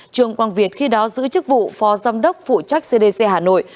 trương quang việt khi đó giữ chức vụ phó giám đốc phụ trách cdc hà nội